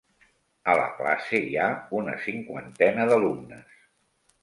A la classe hi ha una cinquantena d'alumnes.